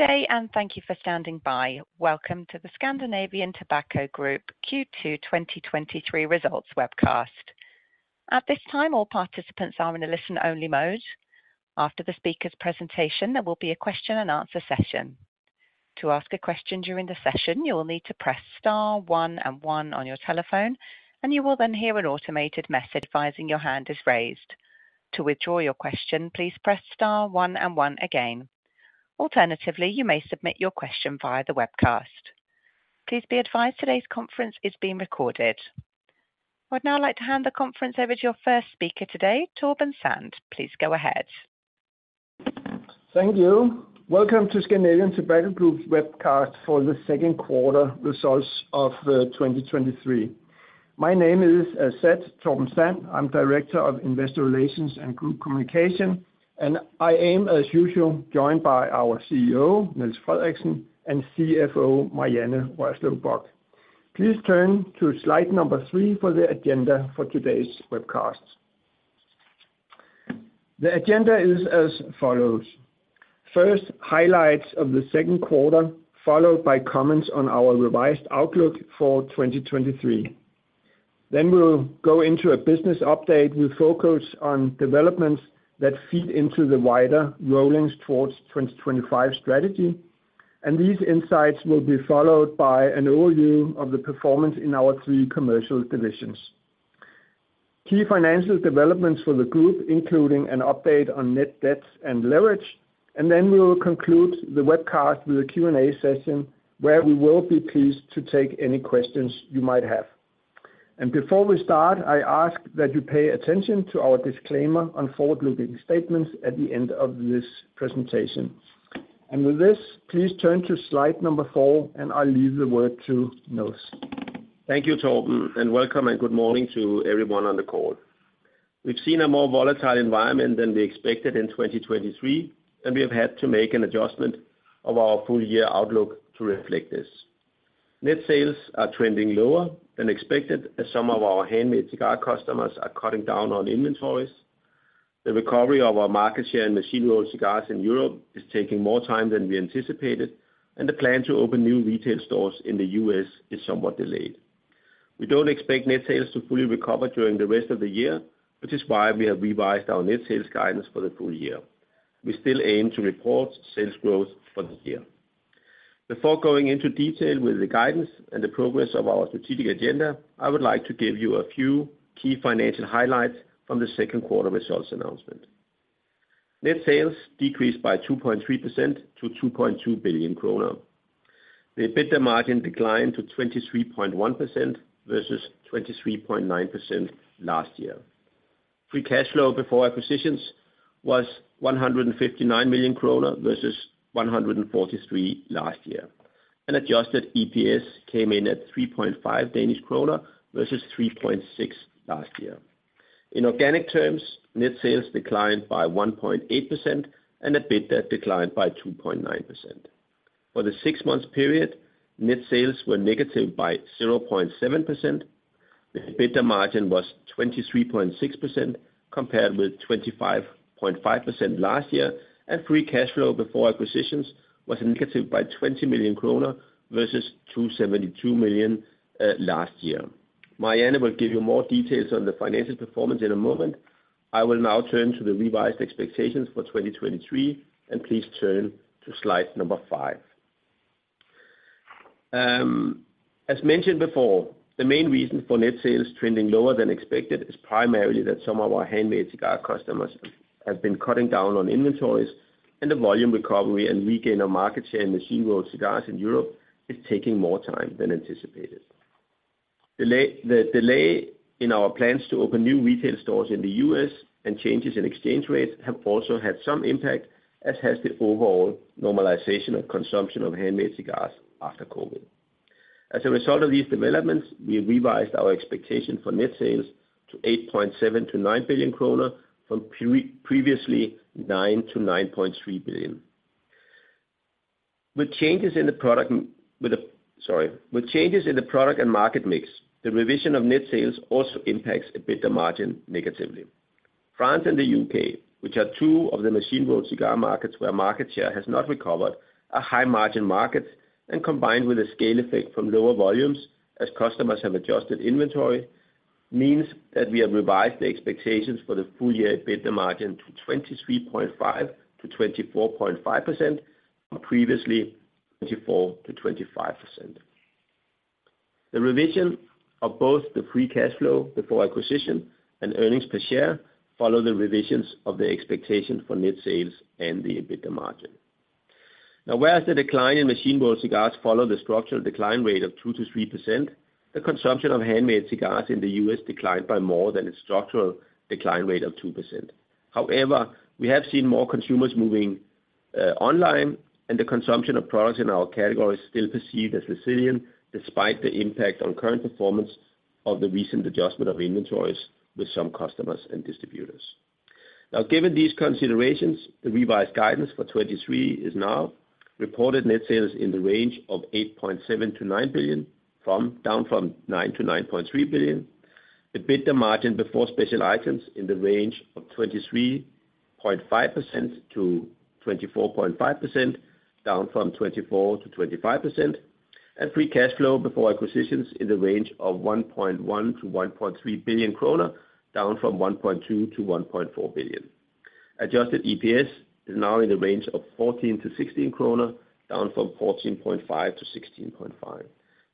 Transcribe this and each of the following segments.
Good day, and thank you for standing by. Welcome to the Scandinavian Tobacco Group Q2 2023 Results webcast. At this time, all participants are in a listen-only mode. After the speaker's presentation, there will be a question and answer session. To ask a question during the session, you will need to press star one and one on your telephone, and you will then hear an automated message advising your hand is raised. To withdraw your question, please press star one and one again. Alternatively, you may submit your question via the webcast. Please be advised, today's conference is being recorded. I'd now like to hand the conference over to your first speaker today, Torben Sand. Please go ahead. Thank you. Welcome to Scandinavian Tobacco Group webcast for the second quarter results of 2023. My name is, as said, Torben Sand. I'm Director of Investor Relations and Group Communication, and I am, as usual, joined by our CEO, Niels Frederiksen, and CFO, Marianne Rørslev Bock. Please turn to slide number 3 for the agenda for today's webcast. The agenda is as follows: First, highlights of the second quarter, followed by comments on our revised outlook for 2023. Then we'll go into a business update. We'll focus on developments that feed into the wider rolling towards 2025 strategy, and these insights will be followed by an overview of the performance in our three commercial divisions. Key financial developments for the group, including an update on net debts and leverage, and then we will conclude the webcast with a Q&A session, where we will be pleased to take any questions you might have. Before we start, I ask that you pay attention to our disclaimer on forward-looking statements at the end of this presentation. With this, please turn to slide number 4, and I'll leave the word to Niels. Thank you, Torben, and welcome and good morning to everyone on the call. We've seen a more volatile environment than we expected in 2023, and we have had to make an adjustment of our full year outlook to reflect this. Net sales are trending lower than expected, as some of our handmade cigar customers are cutting down on inventories. The recovery of our market share in machine-rolled cigars in Europe is taking more time than we anticipated, and the plan to open new retail stores in the U.S. is somewhat delayed. We don't expect net sales to fully recover during the rest of the year, which is why we have revised our net sales guidance for the full year. We still aim to report sales growth for the year. Before going into detail with the guidance and the progress of our strategic agenda, I would like to give you a few key financial highlights from the second quarter results announcement. Net sales decreased by 2.3% to 2.2 billion kroner. The EBITDA margin declined to 23.1% versus 23.9% last year. Free cash flow before acquisitions was 159 million krone versus 143 million last year, and adjusted EPS came in at 3.5 Danish krone versus 3.6 last year. In organic terms, net sales declined by 1.8%, and EBITDA declined by 2.9%. For the six-month period, net sales were negative by 0.7%. The EBITDA margin was 23.6%, compared with 25.5% last year, and free cash flow before acquisitions was negative 20 million kroner versus 272 million last year. Marianne will give you more details on the financial performance in a moment. I will now turn to the revised expectations for 2023, and please turn to slide number 5. As mentioned before, the main reason for net sales trending lower than expected is primarily that some of our handmade cigar customers have been cutting down on inventories, and the volume recovery and regain of market share in machine-rolled cigars in Europe is taking more time than anticipated. The delay in our plans to open new retail stores in the U.S. and changes in exchange rates have also had some impact, as has the overall normalization of consumption of handmade cigars after COVID. As a result of these developments, we revised our expectation for net sales to 8.7 billion-9 billion kroner, from previously 9 billion-9.3 billion. With changes in the product and with the... Sorry. With changes in the product and market mix, the revision of net sales also impacts EBITDA margin negatively. France and the U.K., which are two of the machine-rolled cigar markets where market share has not recovered, are high-margin markets, and combined with a scale effect from lower volumes, as customers have adjusted inventory, means that we have revised the expectations for the full-year EBITDA margin to 23.5%-24.5%, from previously 24%-25%. The revision of both the free cash flow before acquisition and earnings per share follow the revisions of the expectation for net sales and the EBITDA margin. Now, whereas the decline in machine-rolled cigars followed the structural decline rate of 2%-3%, the consumption of handmade cigars in the U.S. declined by more than its structural decline rate of 2%. However, we have seen more consumers moving online, and the consumption of products in our category is still perceived as resilient, despite the impact on current performance of the recent adjustment of inventories with some customers and distributors. Now, given these considerations, the revised guidance for 2023 is now reported net sales in the range of 8.7 billion-9 billion, down from 9 billion-9.3 billion. EBITDA margin before special items in the range of 23.5%-24.5%, down from 24%-25%. And free cash flow before acquisitions in the range of 1.1 billion-1.3 billion kroner, down from 1.2 billion-1.4 billion. Adjusted EPS is now in the range of 14-16 kroner, down from 14.5-16.5.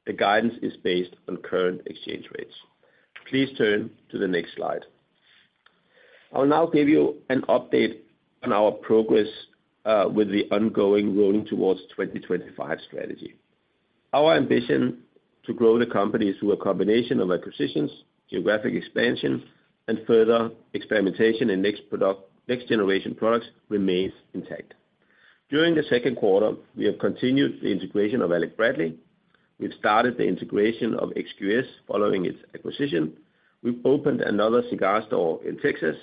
The guidance is based on current exchange rates. Please turn to the next slide. I'll now give you an update on our progress with the ongoing Rolling Towards 2025 strategy. Our ambition to grow the company through a combination of acquisitions, geographic expansion, and further experimentation in next generation products remains intact. During the second quarter, we have continued the integration of Alec Bradley. We've started the integration of XQS following its acquisition. We've opened another cigar store in Texas,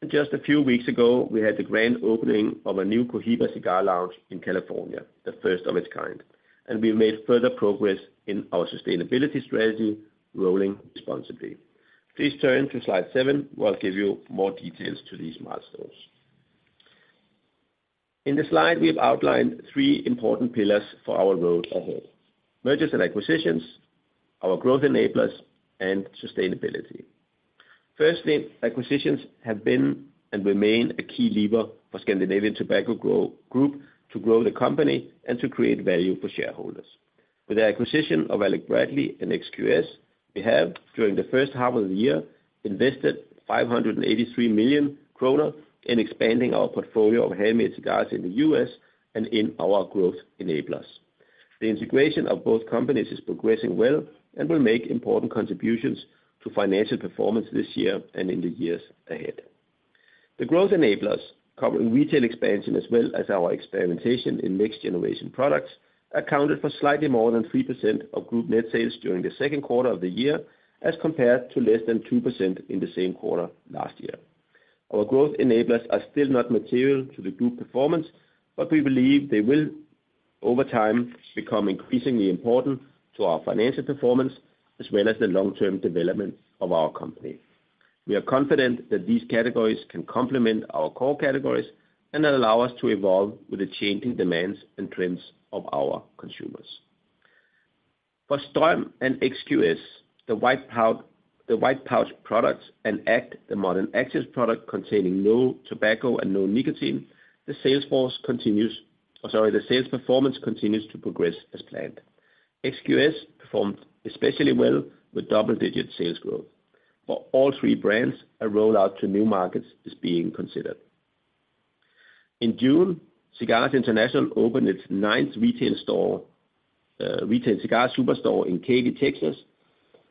and just a few weeks ago, we had the grand opening of a new Cohiba Cigar Lounge in California, the first of its kind. And we've made further progress in our sustainability strategy, Rolling Responsibly. Please turn to slide 7, where I'll give you more details to these milestones. In this slide, we've outlined three important pillars for our road ahead: mergers and acquisitions, our growth enablers, and sustainability. Firstly, acquisitions have been and remain a key lever for Scandinavian Tobacco Group to grow the company and to create value for shareholders. With the acquisition of Alec Bradley and XQS, we have, during the H1 of the year, invested 583 million kroner in expanding our portfolio of handmade cigars in the U.S. and in our growth enablers. The integration of both companies is progressing well and will make important contributions to financial performance this year and in the years ahead. The growth enablers, covering retail expansion as well as our experimentation in next generation products, accounted for slightly more than 3% of group net sales during the second quarter of the year, as compared to less than 2% in the same quarter last year. Our growth enablers are still not material to the group performance, but we believe they will, over time, become increasingly important to our financial performance, as well as the long-term development of our company. We are confident that these categories can complement our core categories and allow us to evolve with the changing demands and trends of our consumers. For STRÖM and XQS, the white pou-- the white pouch products, and AKT, the modern AKTies product containing no tobacco and no nicotine, the sales force continues... Sorry, the sales performance continues to progress as planned. XQS performed especially well with double-digit sales growth. For all three brands, a rollout to new markets is being considered. In June, Cigars International opened its ninth retail store, retail cigar superstore in Katy, Texas,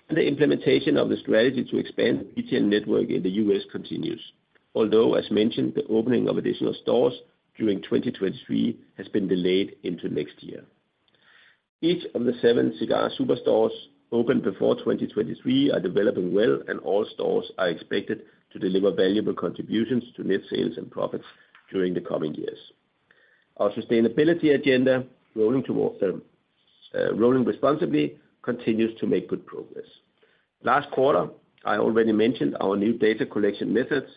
and the implementation of the strategy to expand the retail network in the U.S. continues. Although, as mentioned, the opening of additional stores during 2023 has been delayed into next year. Each of the seven cigar superstores opened before 2023 are developing well, and all stores are expected to deliver valuable contributions to net sales and profits during the coming years. Our sustainability agenda, Rolling Toward, Rolling Responsibly, continues to make good progress. Last quarter, I already mentioned our new data collection methods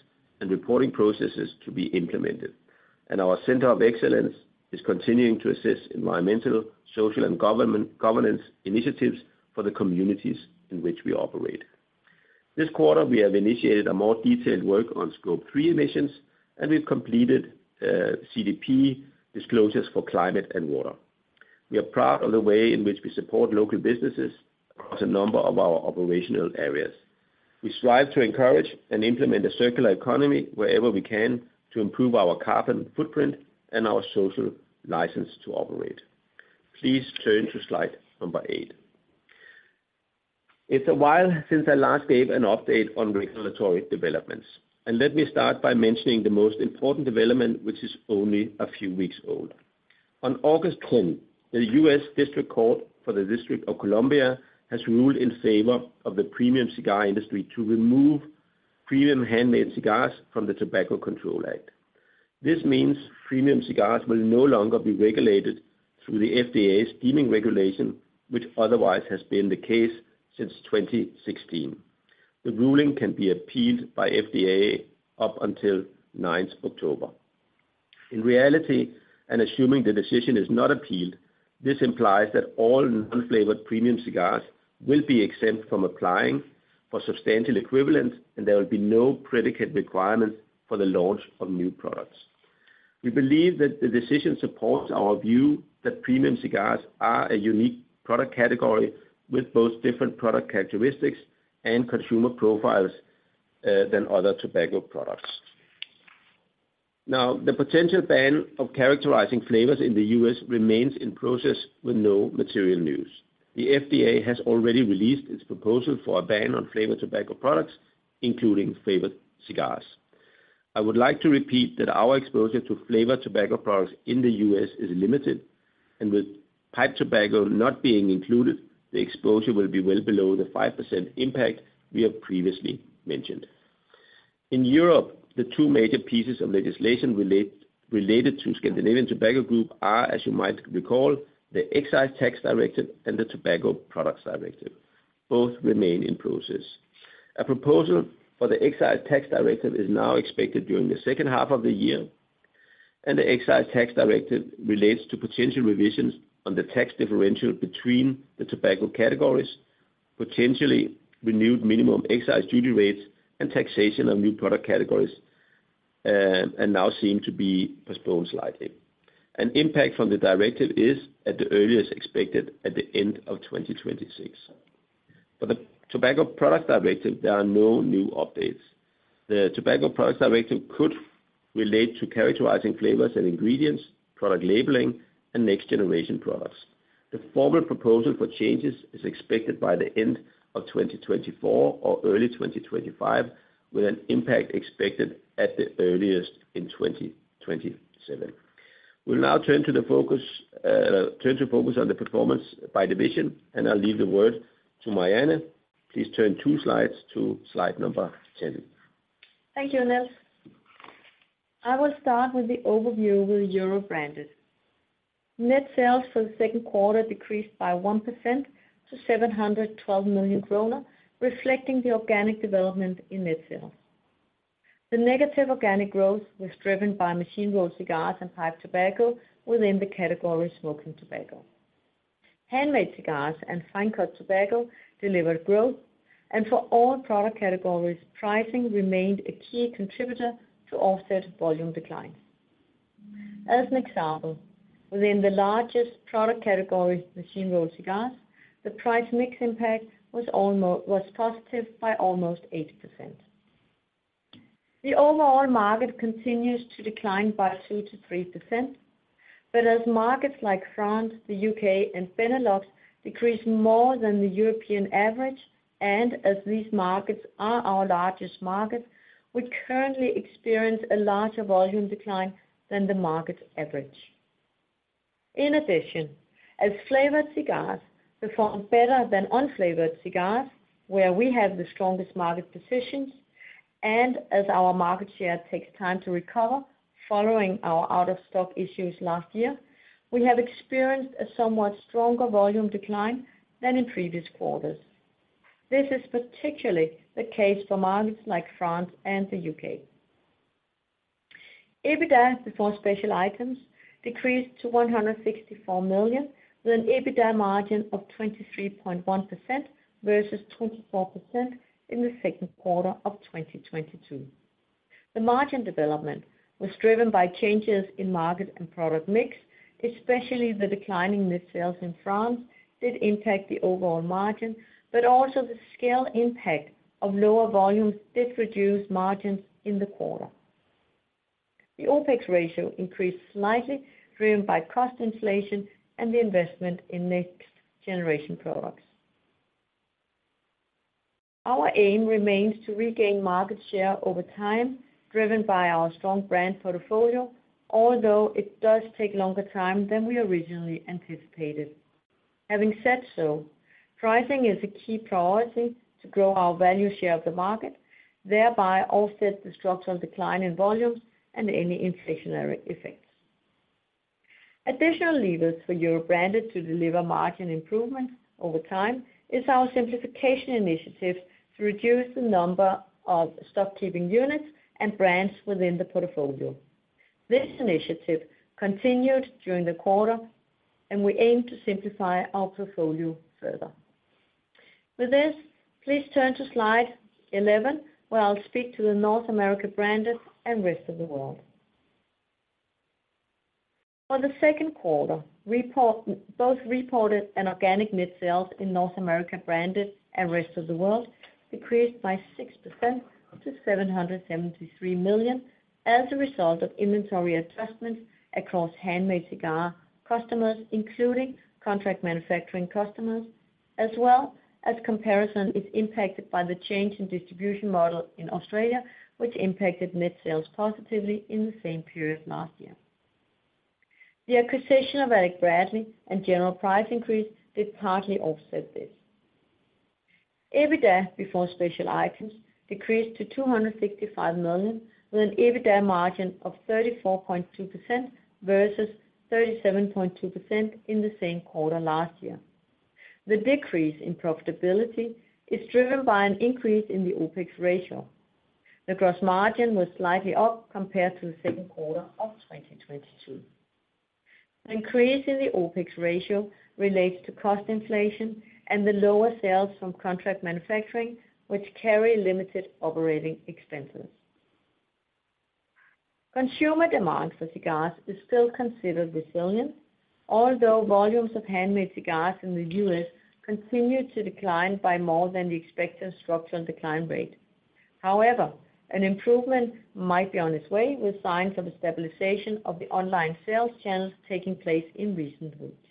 and reporting processes to be implemented, and our Center of Excellence is continuing to assist environmental, social, and governance initiatives for the communities in which we operate. This quarter, we have initiated a more detailed work on Scope 3 emissions, and we've completed CDP disclosures for climate and water. We are proud of the way in which we support local businesses across a number of our operational areas. We strive to encourage and implement a circular economy wherever we can to improve our carbon footprint and our social license to operate. Please turn to slide number 8. It's a while since I last gave an update on regulatory developments, and let me start by mentioning the most important development, which is only a few weeks old. On August 10, the U.S. District Court for the District of Columbia has ruled in favor of the premium cigar industry to remove premium handmade cigars from the Tobacco Control Act. This means premium cigars will no longer be regulated through the FDA's deeming regulation, which otherwise has been the case since 2016. The ruling can be appealed by FDA up until ninth October. In reality, and assuming the decision is not appealed, this implies that all non-flavored premium cigars will be exempt from applying for substantial equivalence, and there will be no predicate requirements for the launch of new products. We believe that the decision supports our view that premium cigars are a unique product category with both different product characteristics and consumer profiles than other tobacco products. Now, the potential ban of characteriZyn flavors in the U.S. remains in process with no material news. The FDA has already released its proposal for a ban on flavored tobacco products, including flavored cigars. I would like to repeat that our exposure to flavored tobacco products in the U.S. is limited, and with pipe tobacco not being included, the exposure will be well below the 5% impact we have previously mentioned. In Europe, the two major pieces of legislation related to Scandinavian Tobacco Group are, as you might recall, the Excise Tax Directive and the Tobacco Products Directive. Both remain in process. A proposal for the Excise Tax Directive is now expected during the H2 of the year, and the Excise Tax Directive relates to potential revisions on the tax differential between the tobacco categories, potentially renewed minimum excise duty rates, and taxation of new product categories, and now seem to be postponed slightly. An impact from the directive is at the earliest expected at the end of 2026. For the Tobacco Products Directive, there are no new updates. The Tobacco Products Directive could relate to characteriZyn flavors and ingredients, product labeling, and next generation products. The formal proposal for changes is expected by the end of 2024 or early 2025, with an impact expected at the earliest in 2027. We'll now turn to the focus, turn to focus on the performance by division, and I'll leave the word to Marianne. Please turn 2 slides to slide number 10. Thank you, Niels. I will start with the overview with Euro Branded. Net sales for the second quarter decreased by 1% to 712 million kroner, reflecting the organic development in net sales. The negative organic growth was driven by machine-rolled cigars and pipe tobacco within the category smoking tobacco. Handmade cigars and fine cut tobacco delivered growth, and for all product categories, pricing remained a key contributor to offset volume declines. As an example, within the largest product category, machine-rolled cigars, the price mix impact was positive by almost 8%. The overall market continues to decline by 2%-3%, but as markets like France, the U.K., and Benelux decrease more than the European average, and as these markets are our largest markets, we currently experience a larger volume decline than the market average. In addition, as flavored cigars perform better than unflavored cigars, where we have the strongest market positions, and as our market share takes time to recover following our out-of-stock issues last year, we have experienced a somewhat stronger volume decline than in previous quarters. This is particularly the case for markets like France and the U.K. EBITDA before special items decreased to 164 million, with an EBITDA margin of 23.1% versus 24% in the second quarter of 2022. The margin development was driven by changes in market and product mix, especially the declining net sales in France did impact the overall margin, but also the scale impact of lower volumes did reduce margins in the quarter. The OpEx ratio increased slightly, driven by cost inflation and the investment in Next Generation Products. Our aim remains to regain market share over time, driven by our strong brand portfolio, although it does take longer time than we originally anticipated. Having said so, pricing is a key priority to grow our value share of the market, thereby offset the structural decline in volumes and any inflationary effects. Additional levers for Euro Branded to deliver margin improvement over time is our simplification initiative to reduce the number of stock keeping units and brands within the portfolio. This initiative continued during the quarter, and we aim to simplify our portfolio further. With this, please turn to slide 11, where I'll speak to the North America Branded and Rest of the World. For the second quarter report, both reported and organic net sales in North America Branded and Rest of the World decreased by 6% to 773 million as a result of inventory adjustments across handmade cigar customers, including contract manufacturing customers, as well as comparison is impacted by the change in distribution model in Australia, which impacted net sales positively in the same period last year. The acquisition of Alec Bradley and general price increase did partly offset this. EBITDA before special items decreased to 265 million, with an EBITDA margin of 34.2% versus 37.2% in the same quarter last year. The decrease in profitability is driven by an increase in the OpEx ratio. The gross margin was slightly up compared to the second quarter of 2022. Increase in the OpEx ratio relates to cost inflation and the lower sales from contract manufacturing, which carry limited operating expenses. Consumer demand for cigars is still considered resilient, although volumes of handmade cigars in the U.S. continue to decline by more than the expected structural decline rate. However, an improvement might be on its way, with signs of a stabilization of the online sales channels taking place in recent weeks.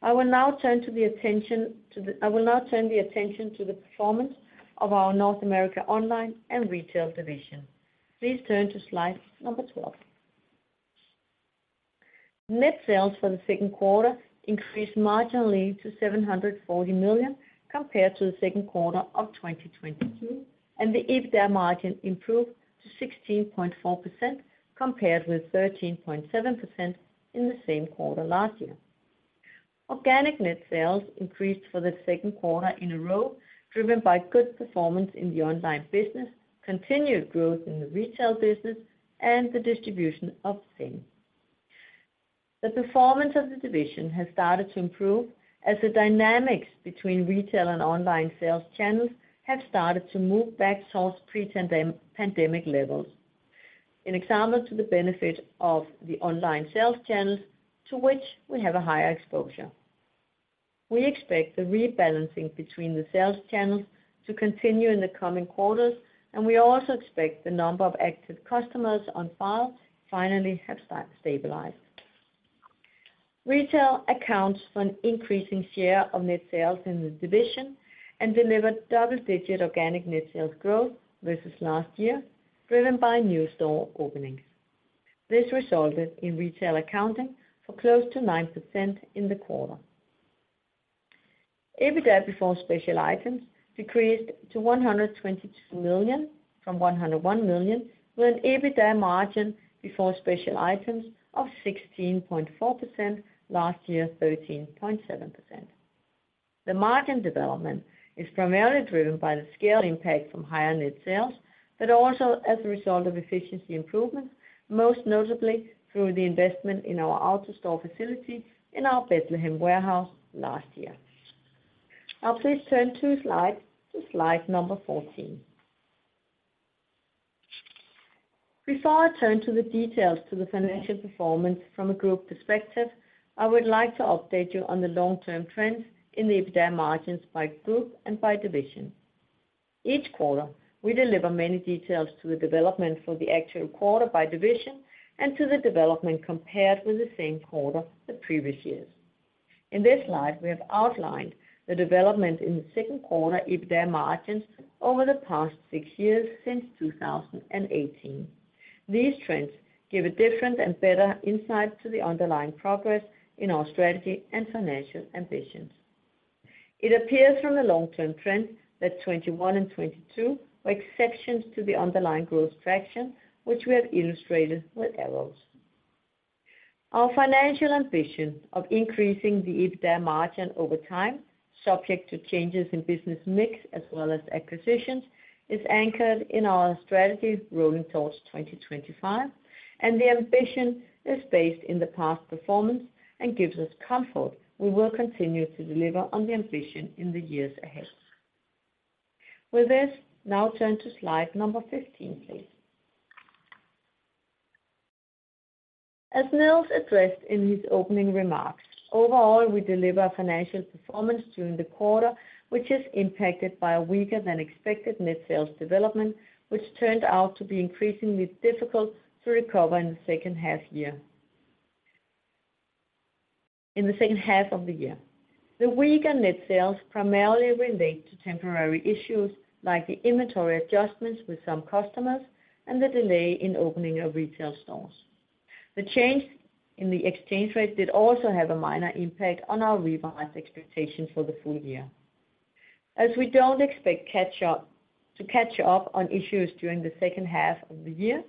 I will now turn the attention to the performance of our North America Online and Retail division. Please turn to slide number 12. Net sales for the second quarter increased marginally to 740 million, compared to the second quarter of 2022, and the EBITDA margin improved to 16.4%, compared with 13.7% in the same quarter last year. Organic net sales increased for the second quarter in a row, driven by good performance in the online business, continued growth in the retail business, and the distribution of Zyn. The performance of the division has started to improve, as the dynamics between retail and online sales channels have started to move back towards pre-pandemic levels. An example to the benefit of the online sales channels, to which we have a higher exposure. We expect the rebalancing between the sales channels to continue in the coming quarters, and we also expect the number of active customers on file finally have stabilized. Retail accounts for an increasing share of net sales in the division, and delivered double-digit organic net sales growth versus last year, driven by new store openings. This resulted in retail accounting for close to 9% in the quarter. EBITDA before special items decreased to 122 million from 101 million, with an EBITDA margin before special items of 16.4%, last year, 13.7%. The margin development is primarily driven by the scale impact from higher net sales, but also as a result of efficiency improvements, most notably through the investment in our AutoStore facility in our Bethlehem warehouse last year. Now please turn to slide, to slide number 14. Before I turn to the details to the financial performance from a group perspective, I would like to update you on the long-term trends in the EBITDA margins by group and by division. Each quarter, we deliver many details to the development for the actual quarter by division, and to the development compared with the same quarter the previous years. In this slide, we have outlined the development in the second quarter EBITDA margins over the past six years, since 2018. These trends give a different and better insight to the underlying progress in our strategy and financial ambitions. It appears from the long-term trend that 2021 and 2022 were exceptions to the underlying growth traction, which we have illustrated with arrows. Our financial ambition of increasing the EBITDA margin over time, subject to changes in business mix as well as acquisitions, is anchored in our strategy, Rolling Towards 2025, and the ambition is based in the past performance, and gives us comfort we will continue to deliver on the ambition in the years ahead. With this, now turn to slide number 15, please. As Niels addressed in his opening remarks, overall, we deliver financial performance during the quarter, which is impacted by a weaker-than-expected net sales development, which turned out to be increasingly difficult to recover in the H2 of the year. The weaker net sales primarily relate to temporary issues like the inventory adjustments with some customers, and the delay in opening of retail stores. The change in the exchange rate did also have a minor impact on our revised expectations for the full year. As we don't expect to catch up on issues during the H2 of the year,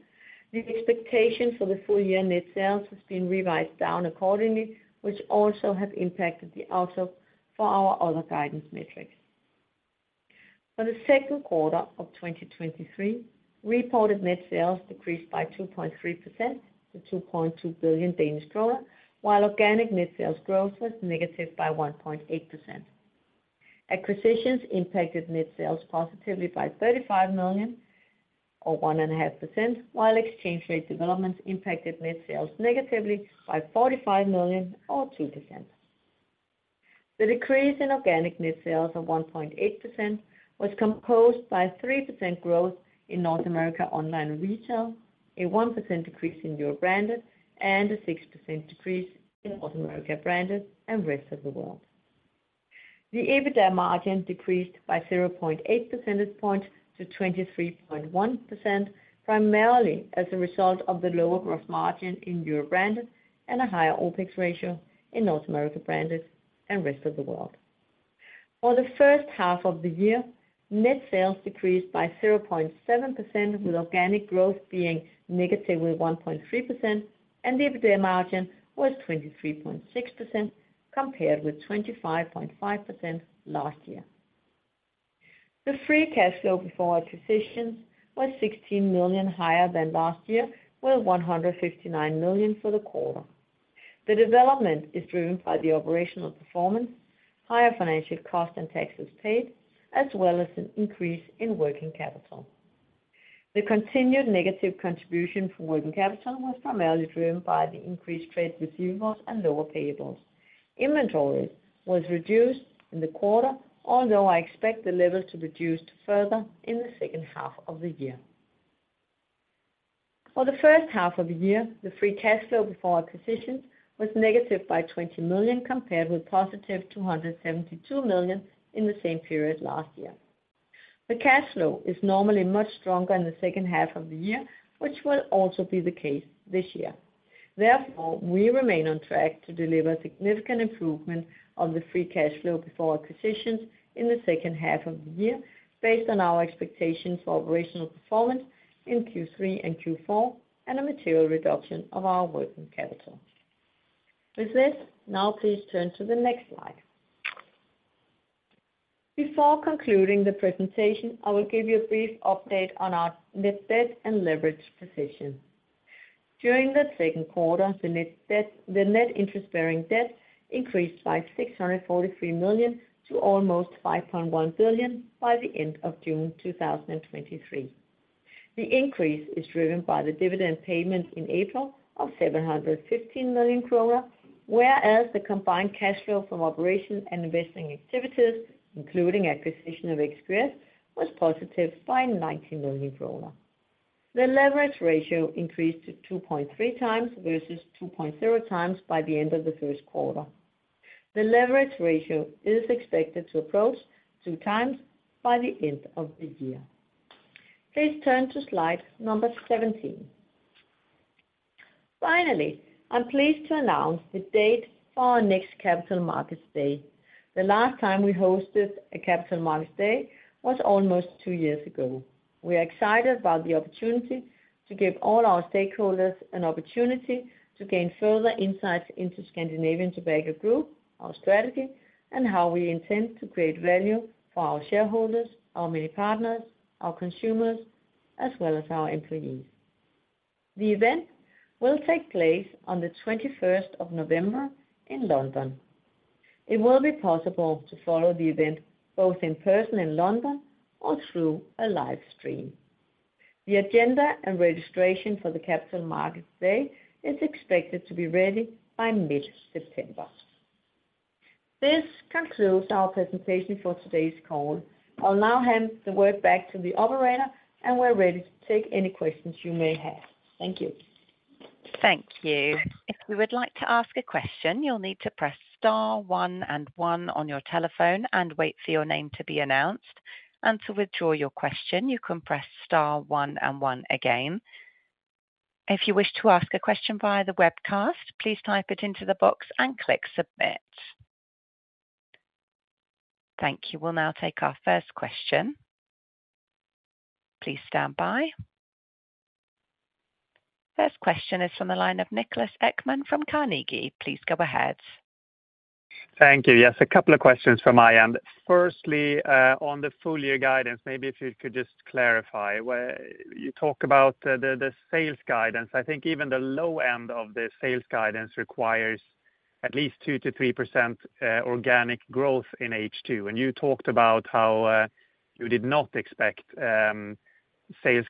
the expectation for the full year net sales has been revised down accordingly, which also has impacted the outlook for our other guidance metrics. For the second quarter of 2023, reported net sales decreased by 2.3% to 2.2 billion Danish kroner, while organic net sales growth was negative by 1.8%. Acquisitions impacted net sales positively by 35 million, or 1.5%, while exchange rate developments impacted net sales negatively by 45 million, or 2%. The decrease in organic net sales of 1.8% was composed by 3% growth in North America Online and Retail, a 1% decrease in Europe Branded, and a 6% decrease in North America Branded and Rest of the World. The EBITDA margin decreased by 0.8 percentage points to 23.1%, primarily as a result of the lower gross margin in Europe Branded, and a higher OpEx ratio in North America Branded and Rest of the World. For the H1 of the year, net sales decreased by 0.7%, with organic growth being -1.3%, and the EBITDA margin was 23.6%, compared with 25.5% last year. The free cash flow before acquisitions was 16 million higher than last year, with 159 million for the quarter. The development is driven by the operational performance, higher financial costs and taxes paid, as well as an increase in working capital. The continued negative contribution from working capital was primarily driven by the increased trade receivables and lower payables. Inventory was reduced in the quarter, although I expect the levels to reduce further in the H2 of the year. For the H1 of the year, the free cash flow before acquisitions was negative 20 million, compared with positive 272 million in the same period last year. The cash flow is normally much stronger in the H2 of the year, which will also be the case this year. Therefore, we remain on track to deliver significant improvement on the free cash flow before acquisitions in the H2 of the year, based on our expectations for operational performance in Q3 and Q4, and a material reduction of our working capital. With this, now please turn to the next slide. Before concluding the presentation, I will give you a brief update on our net debt and leverage position. During the second quarter, the net debt, the net interest-bearing debt increased by 643 million to almost 5.1 billion by the end of June 2023. The increase is driven by the dividend payment in April of 715 million kroner, whereas the combined cash flow from operation and investing activities, including acquisition of XQS, was positive by 90 million kroner. The leverage ratio increased to 2.3x versus 2.0x by the end of the first quarter. The leverage ratio is expected to approach 2x by the end of the year. Please turn to slide number 17. Finally, I'm pleased to announce the date for our next Capital Markets Day. The last time we hosted a Capital Markets Day was almost two years ago. We are excited about the opportunity to give all our stakeholders an opportunity to gain further insights into Scandinavian Tobacco Group, our strategy, and how we intend to create value for our shareholders, our many partners, our consumers, as well as our employees. The event will take place on the twenty-first of November in London. It will be possible to follow the event, both in person in London or through a live stream. The agenda and registration for the Capital Markets Day is expected to be ready by mid-September. This concludes our presentation for today's call. I'll now hand the word back to the operator, and we're ready to take any questions you may have. Thank you. Thank you. If you would like to ask a question, you'll need to press star one and one on your telephone and wait for your name to be announced, and to withdraw your question, you can press star one and one again. If you wish to ask a question via the webcast, please type it into the box and click Submit. Thank you. We'll now take our first question. Please stand by. First question is from the line of Niklas Ekman from Carnegie. Please go ahead. Thank you. Yes, a couple of questions from my end. Firstly, on the full year guidance, maybe if you could just clarify where - you talk about the, the sales guidance. I think even the low end of the sales guidance requires at least 2%-3% organic growth in H2. And you talked about how, you did not expect sales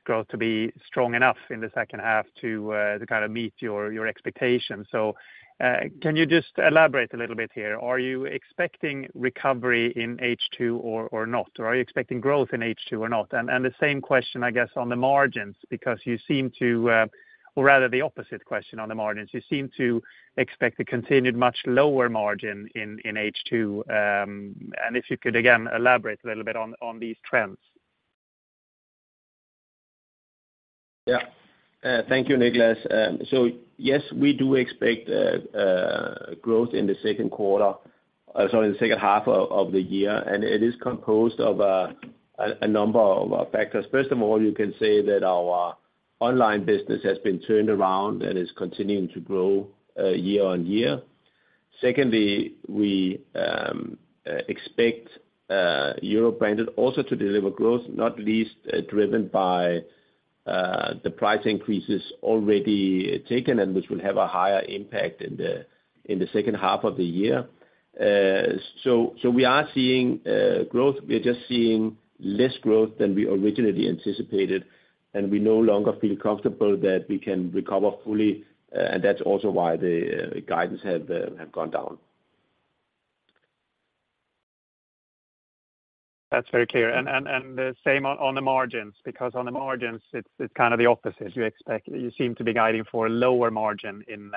growth to be strong enough in the H2 to, to kind of meet your, your expectations. So, can you just elaborate a little bit here? Are you expecting recovery in H2 or, or not, or are you expecting growth in H2 or not? And, and the same question, I guess, on the margins, because you seem to, or rather the opposite question on the margins. You seem to expect a continued much lower margin in H2, and if you could again elaborate a little bit on these trends. Yeah. Thank you, Niklas. So, yes, we do expect growth in the second quarter, sorry, in the H2 of the year, and it is composed of a number of factors. First of all, you can say that our online business has been turned around and is continuing to grow year-on-year. Secondly, we expect Europe Branded also to deliver growth, not least driven by the price increases already taken, and which will have a higher impact in the H2 of the year. So, we are seeing growth. We are just seeing less growth than we originally anticipated, and we no longer feel comfortable that we can recover fully, and that's also why the guidance has gone down. That's very clear. And the same on the margins, because on the margins, it's kind of the opposite. You expect—you seem to be guiding for a lower margin in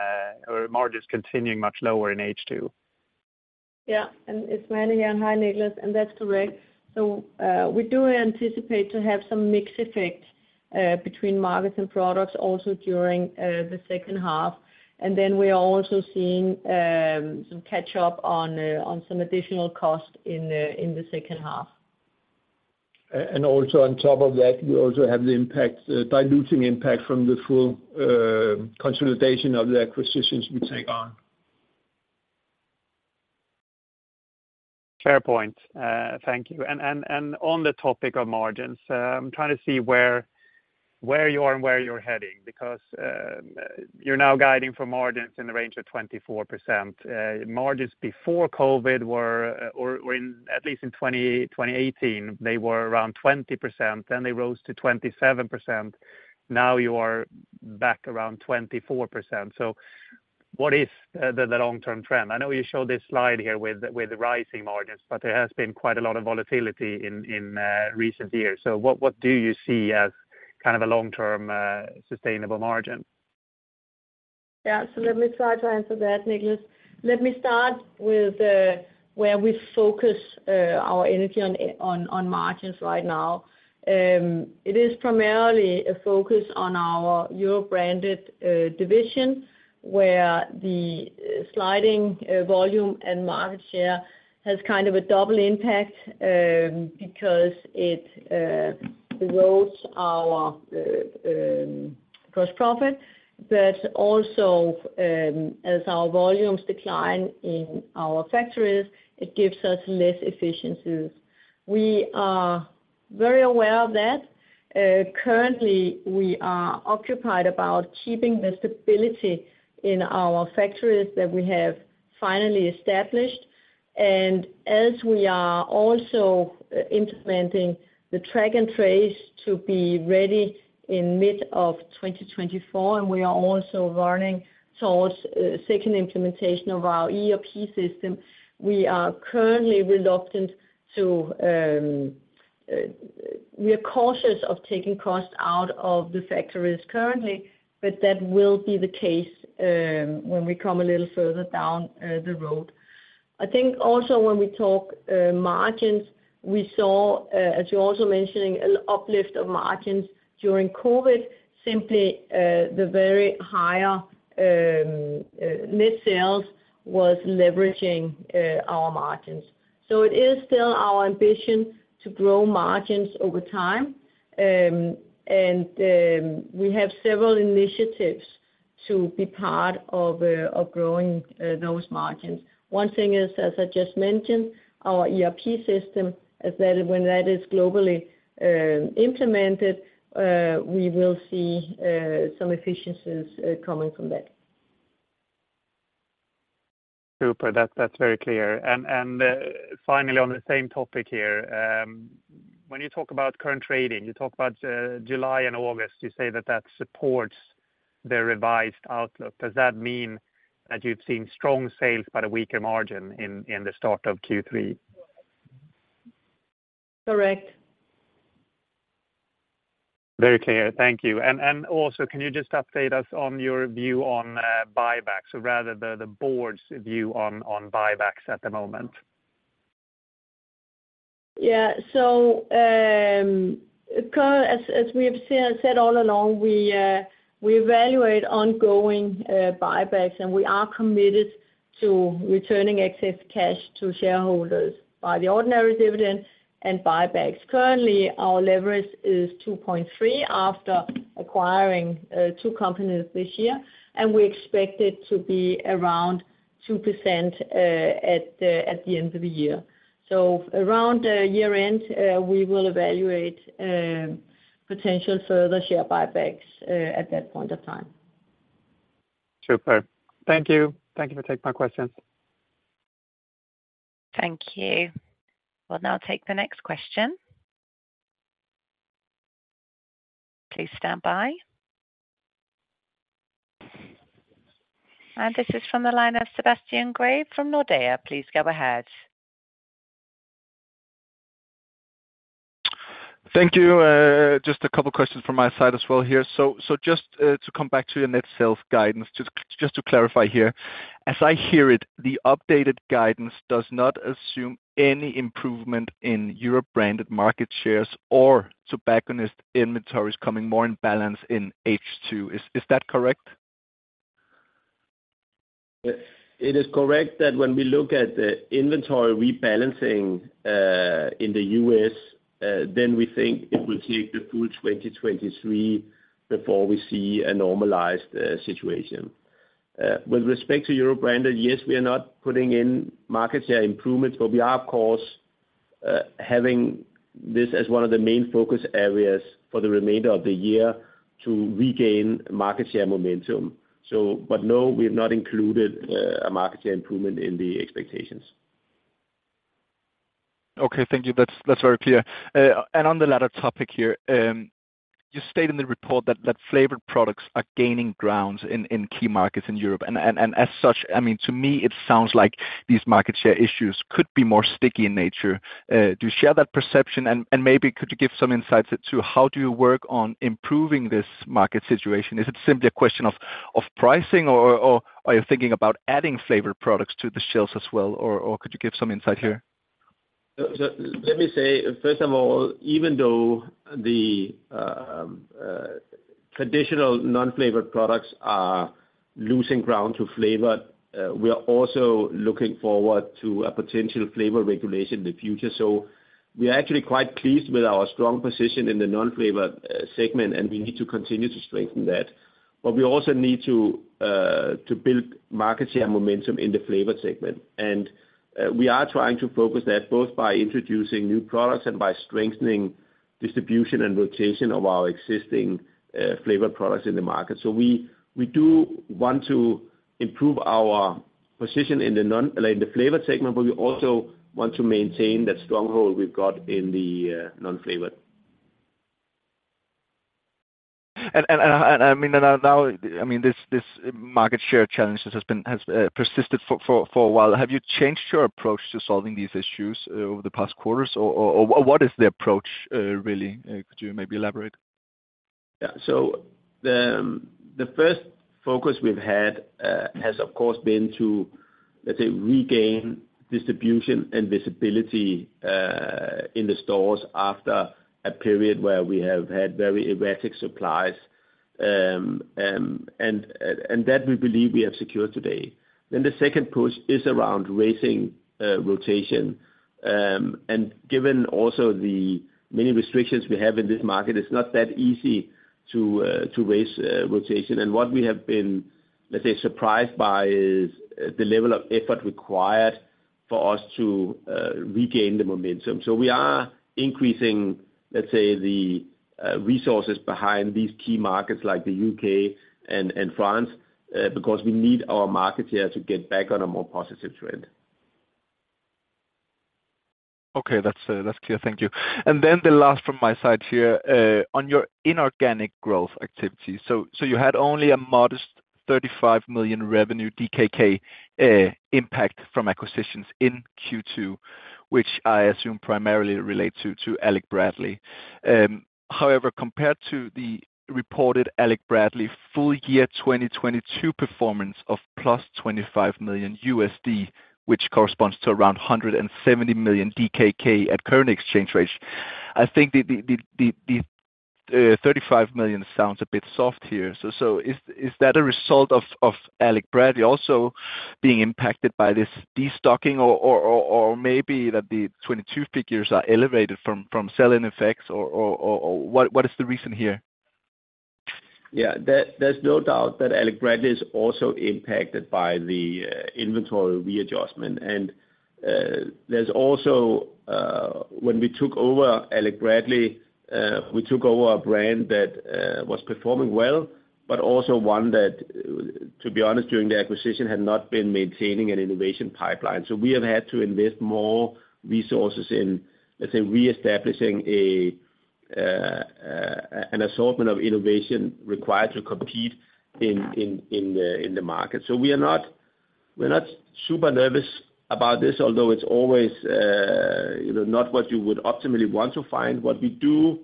or margins continuing much lower in H2. Yeah, and it's Marianne here. Hi, Niklas, and that's correct. So, we do anticipate to have some mix effect between markets and products also during the H2. And then we are also seeing some catch up on on some additional costs in the in the H2. And also on top of that, we also have the impact, diluting impact from the full consolidation of the acquisitions we take on. Fair point. Thank you. And on the topic of margins, I'm trying to see where you are and where you're heading, because you're now guiding for margins in the range of 24%. Margins before COVID were, or were in, at least in 2018, they were around 20%, then they rose to 27%. Now you are back around 24%. So what is the long-term trend? I know you showed this slide here with the rising margins, but there has been quite a lot of volatility in recent years. So what do you see as kind of a long-term sustainable margin?... Yeah, so let me try to answer that, Nicholas. Let me start with where we focus our energy on margins right now. It is primarily a focus on our Europe Branded division, where the sliding volume and market share has kind of a double impact, because it erodes our gross profit. But also, as our volumes decline in our factories, it gives us less efficiencies. We are very aware of that. Currently, we are occupied about keeping the stability in our factories that we have finally established. And as we are also implementing the Track and Trace to be ready in mid-2024, and we are also running towards second implementation of our ERP system, we are currently reluctant to we are cautious of taking costs out of the factories currently, but that will be the case when we come a little further down the road. I think also when we talk margins, we saw as you're also mentioning, an uplift of margins during COVID, simply the very higher net sales was leveraging our margins. So it is still our ambition to grow margins over time. And we have several initiatives to be part of of growing those margins. One thing is, as I just mentioned, our ERP system is that when that is globally implemented, we will see some efficiencies coming from that. Super. That's very clear. And finally, on the same topic here, when you talk about current trading, you talk about July and August, you say that that supports the revised outlook. Does that mean that you've seen strong sales, but a weaker margin in the start of Q3? Correct. Very clear. Thank you. And also, can you just update us on your view on buybacks, or rather the board's view on buybacks at the moment? Yeah. So, as we have said all along, we evaluate ongoing buybacks, and we are committed to returning excess cash to shareholders by the ordinary dividend and buybacks. Currently, our leverage is 2.3 after acquiring two companies this year, and we expect it to be around 2% at the end of the year. So around year-end, we will evaluate potential further share buybacks at that point of time. Super. Thank you. Thank you for taking my questions. Thank you. We'll now take the next question. Please stand by. This is from the line of Sebastian Grave from Nordea. Please go ahead. Thank you. Just a couple questions from my side as well here. So just to come back to your net sales guidance, just to clarify here, as I hear it, the updated guidance does not assume any improvement in European branded market shares or tobacconist inventories coming more in balance in H2. Is that correct? It is correct that when we look at the inventory rebalancing, in the U.S., then we think it will take the full 2023 before we see a normalized situation. With respect to Europe Branded, yes, we are not putting in market share improvements, but we are, of course, having this as one of the main focus areas for the remainder of the year to regain market share momentum. So, but no, we have not included a market share improvement in the expectations. Okay, thank you. That's very clear. And on the latter topic here, you stated in the report that flavored products are gaining ground in key markets in Europe. And as such, I mean, to me, it sounds like these market share issues could be more sticky in nature. Do you share that perception? And maybe could you give some insights as to how do you work on improving this market situation? Is it simply a question of pricing, or are you thinking about adding flavored products to the shelves as well, or could you give some insight here? So let me say, first of all, even though the traditional non-flavored products are losing ground to flavored, we are also looking forward to a potential flavor regulation in the future. So we are actually quite pleased with our strong position in the non-flavored segment, and we need to continue to strengthen that. But we also need to build market share momentum in the flavored segment. And we are trying to focus that both by introducing new products and by strengthening distribution and rotation of our existing flavored products in the market. So we do want to improve our position in the flavored segment, but we also want to maintain that stronghold we've got in the non-flavored. I mean, now, I mean, this market share challenges has been persisted for a while. Have you changed your approach to solving these issues over the past quarters, or what is the approach really? Could you maybe elaborate?... Yeah. So the first focus we've had has of course been to, let's say, regain distribution and visibility in the stores after a period where we have had very erratic supplies. And that we believe we have secured today. Then the second push is around raising rotation. And given also the many restrictions we have in this market, it's not that easy to raise rotation. And what we have been, let's say, surprised by, is the level of effort required for us to regain the momentum. So we are increasing, let's say, the resources behind these key markets like the U.K. and France because we need our market here to get back on a more positive trend. Okay, that's clear. Thank you. And then the last from my side here on your inorganic growth activity. So you had only a modest 35 million DKK revenue impact from acquisitions in Q2, which I assume primarily relate to Alec Bradley. However, compared to the reported Alec Bradley full year 2022 performance of +$25 million, which corresponds to around 170 million DKK at current exchange rates, I think the 35 million sounds a bit soft here. So is that a result of Alec Bradley also being impacted by this destocking? Or maybe that the 2022 figures are elevated from selling effects or what is the reason here? Yeah, there, there's no doubt that Alec Bradley is also impacted by the inventory readjustment. And, there's also. When we took over Alec Bradley, we took over a brand that was performing well, but also one that, to be honest, during the acquisition, had not been maintaining an innovation pipeline. So we have had to invest more resources in, let's say, reestablishing an assortment of innovation required to compete in the market. So we're not super nervous about this, although it's always, you know, not what you would optimally want to find. What we do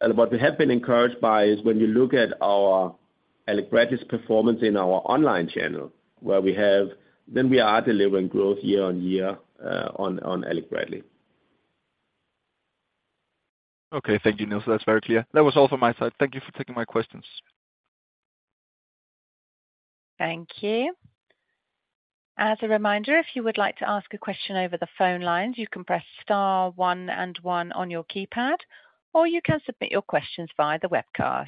and what we have been encouraged by is when you look at our Alec Bradley's performance in our online channel, where we have, then we are delivering growth year on year on Alec Bradley. Okay. Thank you, Niels. That's very clear. That was all from my side. Thank you for taking my questions. Thank you. As a reminder, if you would like to ask a question over the phone lines, you can press star one and one on your keypad, or you can submit your questions via the webcast.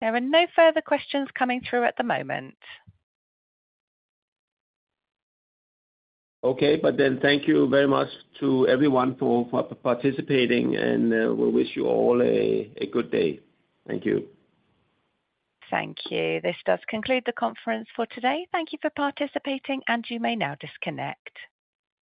There are no further questions coming through at the moment. Okay. But then thank you very much to everyone for participating, and we wish you all a good day. Thank you. Thank you. This does conclude the conference for today. Thank you for participating, and you may now disconnect.